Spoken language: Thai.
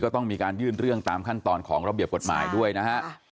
ต้องมีการยื่นเรื่องตามขั้นตอนของระเบียบกฎหมายด้วยนะฮะ